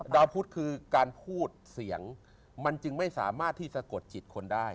ดาวพุทธคือการพูดเสียงมันจึงไม่สามารถที่สะกดจิตคนได้